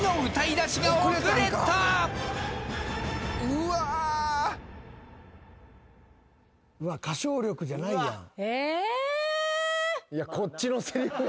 うわっ歌唱力じゃないやん。